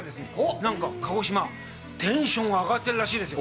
なんか鹿児島、テンションが上がってるらしいですよ。